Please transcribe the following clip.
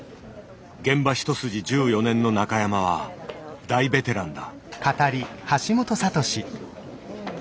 現場一筋１４年の中山は大ベテランだ。